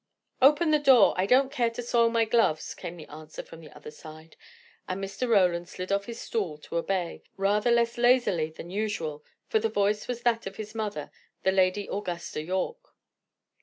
"Open the door. I don't care to soil my gloves," came the answer from the other side. And Mr. Roland slid off his stool to obey, rather less lazily than usual, for the voice was that of his mother, the Lady Augusta Yorke.